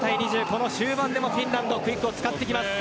この終盤でもフィンランドクイックを使ってきます。